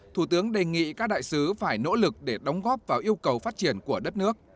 thủ tướng đề nghị các đại sứ phải nỗ lực để đóng góp vào yêu cầu phát triển của đất nước